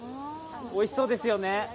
おいしそうですよね。